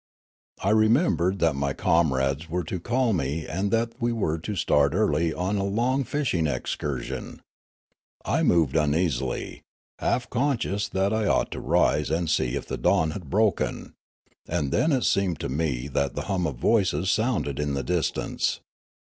I re membered that my comrades were to call me and that we were to start early on a long fishing excursion. I moved uneasil} , half conscious that I ought to rise and see if the dawn had broken ; and then it seemed to me that the hum of voices sounded in the distance.